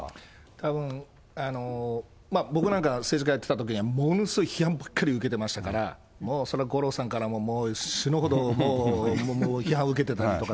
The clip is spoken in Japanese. たぶん僕なんか、政治家やってたときは、ものすごい批判ばっかり受けてましたから、もうそれは五郎さんからももう、死ぬほどもう、もう批判受けてたりとか、